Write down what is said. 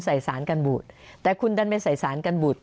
สารกันบุตรแต่คุณดันไปใส่สารกันบุตร